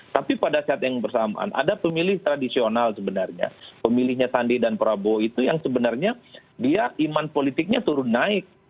tapi pada saat yang bersamaan ada pemilih tradisional sebenarnya pemilihnya sandi dan prabowo itu yang sebenarnya dia iman politiknya turun naik